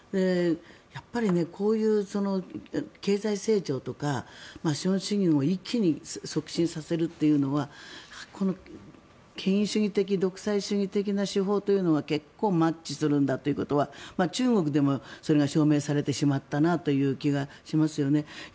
やっぱり、こういう経済成長とか資本主義を一気に促進させるというのは権威主義的、独裁主義的な手法が結構マッチするんだということは中国でもそれが証明されてしまったなという気がしますよね。